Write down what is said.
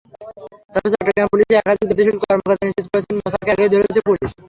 তবে চট্টগ্রাম পুলিশের একাধিক দায়িত্বশীল কর্মকর্তা নিশ্চিত করেছেন, মুসাকে আগেই ধরেছে পুলিশ।